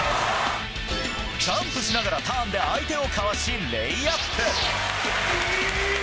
ジャンプしながらターンで相手をかわし、レイアップ！